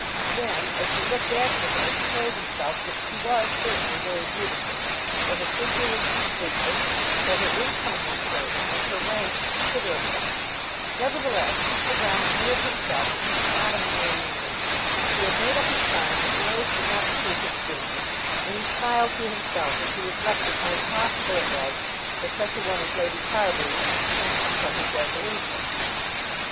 Then as he looked after her, he told himself that she was certainly very beautiful, that her figure was distinguished, that her income was certain, and her rank considerable. Nevertheless, Mr. Broune knew of himself that he was not a marrying man. He had made up his mind that marriage would not suit his business, and he smiled to himself as he reflected how impossible it was that such a one as Lady Carbury should turn him from his resolution.